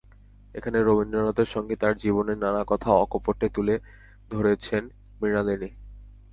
এখানে রবীন্দ্রনাথের সঙ্গে তাঁর জীবনের নানা কথা অকপটে তুলে ধরেছেন মৃণালিনী।